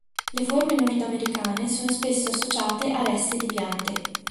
Le forme nordamericane sono spesso associate a resti di piante.